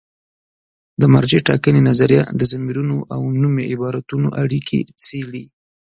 د مرجع ټاکنې نظریه د ضمیرونو او نومي عبارتونو اړیکې څېړي.